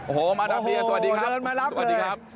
โอ้โหมาดังเดียวสวัสดีครับ